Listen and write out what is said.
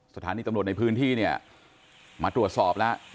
สถานีตำรวจในพื้นที่เนี่ยมาตรวจสอบแล้ว